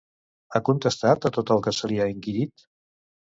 Ha contestat a tot el que se li ha inquirit?